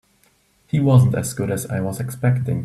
He wasn't as good as I was expecting.